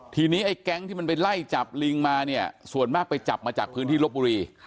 ทีนี้ไอ้แก๊งที่มันไปไล่จับลิงมาเนี่ยส่วนมากไปจับมาจากพื้นที่ลบบุรี